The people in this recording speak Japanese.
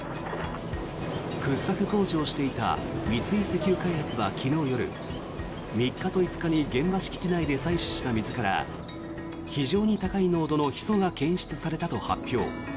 掘削工事をしていた三井石油開発は昨日夜３日と５日に現場敷地内で採取した水から非常に高い濃度のヒ素が検出されたと発表。